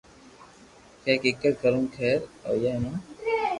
ڪي ڪيڪر ڪروُ کپر”ي ني تو ھيوا